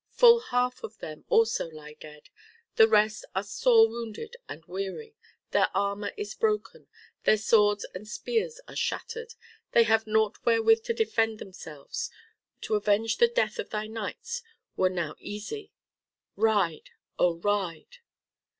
Full half of them also lie dead. The rest are sore wounded and weary. Their armor is broken, their swords and spears are shattered. They have naught wherewith to defend themselves. To avenge the death of thy knights were now easy. Ride! oh, ride!"